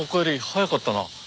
早かったな。